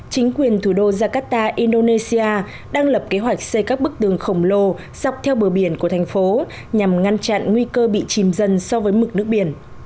chính quyền thủ đô jakarta indonesia đang lập kế hoạch xây các bức tường khổng lồ dọc theo bờ biển của thành phố nhằm ngăn chặn nguy cơ bị chìm dần so với mực nước biển